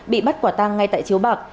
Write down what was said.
bị bắt quả tang ngay tại chiếu bạc